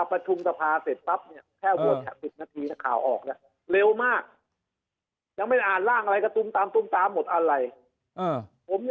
เรียบมากจะไม่อ่านร่างอะไรก็ตรงตามตรงตามหมดอ่าอะไรผม